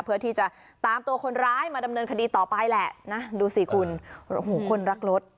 เพื่อที่จะตามตัวคนร้ายมาดำเนินคดีต่อไปแหละนะดูสิคุณโอ้โหคนรักรถ